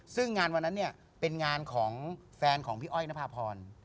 ซึ่งงานวันนั้นเนี่ยเป็นงานของแฟนของพี่อ้อยนภาพร